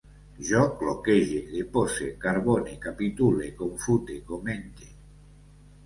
Jo cloquege, depose, carbone, capitule, confute, comente